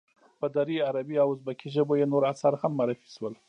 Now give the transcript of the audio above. په دري، عربي او ازبکي ژبو یې نور آثار هم معرفی شول.